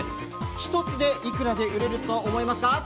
１つで、いくらで売れると思いますか？